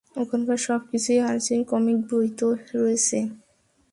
ওখানকার সব কিছুই, আর্চির কমিক বই তে রয়েছে।